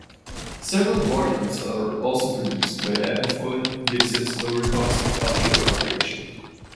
Several variants are also produced by Epiphone, Gibson's lower cost, offshore operation.